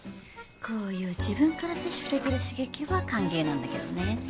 こういう自分から摂取できる刺激は歓迎なんだけどね。